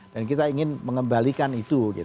dan kita ingin mengembalikan itu